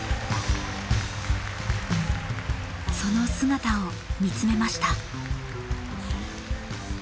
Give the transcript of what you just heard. その姿を見つめました。